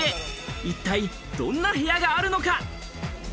一体どんな部屋があるのか？